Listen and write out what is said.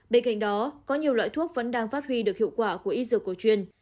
bên cạnh đó có nhiều loại thuốc vẫn đang phát huy được hiệu quả của y dược cổ truyền